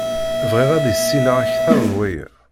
Bɣiɣ ad issineɣ akter n waya.